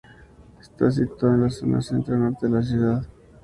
Está situado en la zona centro-norte de la ciudad, junto al Barrio Centro.